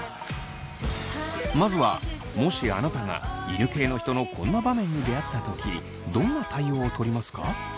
まずはもしあなたが犬系の人のこんな場面に出会った時どんな対応をとりますか？